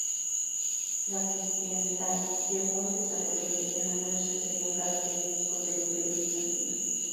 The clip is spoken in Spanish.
La cristiandad llevó al desarrollo de fenómenos que serían característicos del Imperio bizantino.